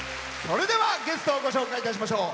それではゲストをご紹介いたしましょう。